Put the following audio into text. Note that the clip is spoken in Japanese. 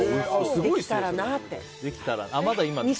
できたらなって。